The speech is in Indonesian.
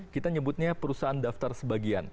kita nyebutnya perusahaan daftar sebagian